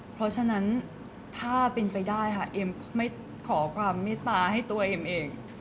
เพราะฉะนั้นถ้าเป็นไปได้ค่ะเอ็มไม่ขอความเมตตาให้ตัวเอ็มเอง